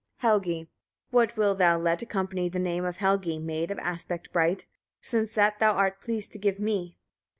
Helgi. 7. What wilt thou let accompany the name of Helgi, maid of aspect bright! since that thou art pleased to give me?